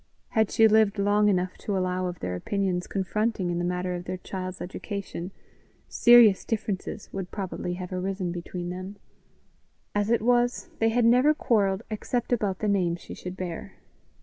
Had she lived long enough to allow of their opinions confronting in the matter of their child's education, serious differences would probably have arisen between them; as it was, they had never quarrelled except about the name she should bear.